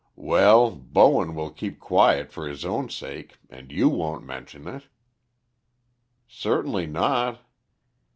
"Well, Bowen will keep quiet for his own sake, and you won't mention it." "Certainly not."